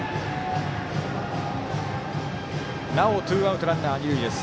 なおツーアウトランナー、二塁です。